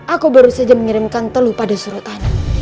aku baru saja mengirimkan teluh pada surutannya